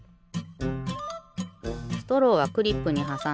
ストローはクリップにはさんで。